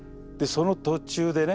その途中でね